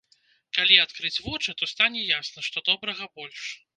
Калі адкрыць вочы, то стане ясна, што добрага больш.